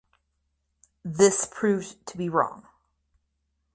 This proved to be wrong.